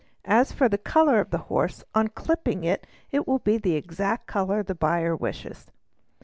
As for the colour of the horse, on clipping it will be the exact colour the buyer wishes.